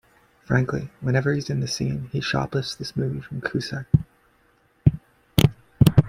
Frankly, whenever he's in the scene, he shoplifts this movie from Cusack.